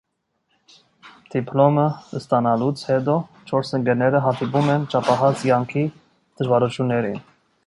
Դիպլոմը ստանալուց հետո, չորս ընկերները հանդիպում են չափահաս կյանքի դժվարություններին։